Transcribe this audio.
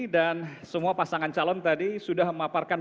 dan semua pasangan calon tadi sudah memaparkan